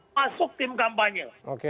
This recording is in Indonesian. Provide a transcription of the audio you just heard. masuk tim kampanye